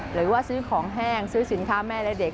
หรือว่าซื้อของแห้งซื้อสินค้าแม่และเด็ก